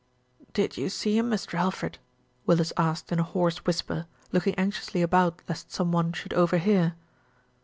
"Did you see him, Mr. Alfred?" Willis asked in a hoarse whisper, looking anxiously about lest some one should overhear.